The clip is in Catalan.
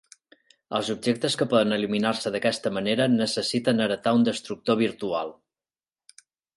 Els objectes que poden eliminar-se d'aquesta manera necessiten heretar un destructor virtual.